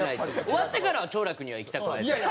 終わってからは兆楽には行きたくないんですよ。